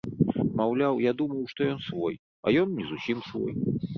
Маўляў, я думаў, што ён свой, а ён не зусім свой!